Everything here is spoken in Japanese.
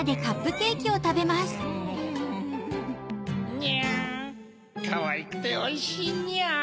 にゃかわいくておいしいにゃ。